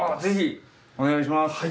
ぜひお願いします。